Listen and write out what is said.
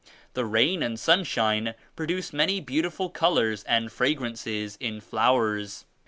The rain and sunshine produce many beautiful colors and fragrances in the flowers.